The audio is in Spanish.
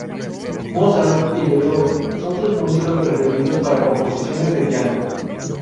Mozart y Beethoven son sus músicos preferidos para composiciones de piano.